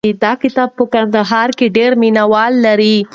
دا کتاب په کندهار کې ډېر مینه وال لري.